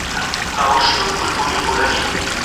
یو غازي تر لاندي پروت وي یو شهید څنګ ته ګمنام دی